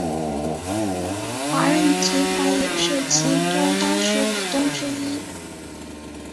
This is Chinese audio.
另外华润集团也是其中当时股东之一。